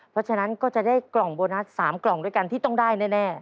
เพราะฉะนั้นก็จะได้กล่องโบนัส๓กล่องด้วยกันที่ต้องได้แน่